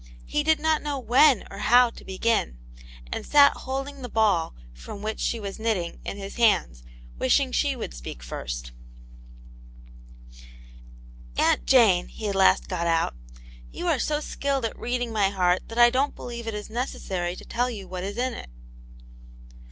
He did not know when or how to begin, and sat holding the ball from which she was knitting in his hands, wishing she would speak first " Aunt Jane," he at last got out, " you are . so ^killed at reading my heart that I don't believe it is necessary to tell you what is in it."